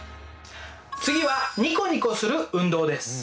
次はニコニコする運動です。